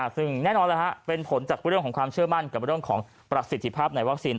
ซึ่งแน่นอนเป็นผลจากประสิทธิภาพในวัคซีน